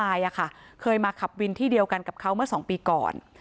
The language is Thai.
พูดตายอะค่ะเคยมาขับวินที่เดียวกันกับเขาเมื่อสองปีก่อน